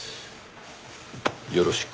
よろしく。